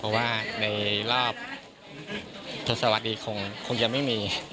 เพราะว่าในรอบไทยศาสตร์อีกคงยังไม่มี